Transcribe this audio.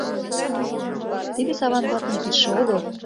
Тиде Саван ватын кидше огыл.